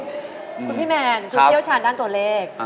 คุณพี่แมนคุณเชี่ยวชาญด้านตัวเลข